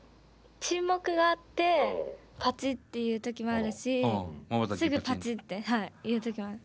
沈黙があってパチっていう時もあるしすぐパチっていう時もある。